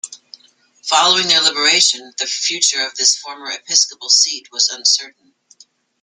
Following their liberation, the future of this former episcopal seat was uncertain.